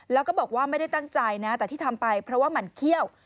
แล้วก็บอกว่าไม่ได้ตั้งใจนะแต่ที่ทำไปเพราะว่ามันเขี้ยว